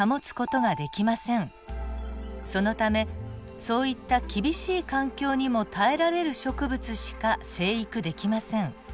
そのためそういった厳しい環境にも耐えられる植物しか生育できません。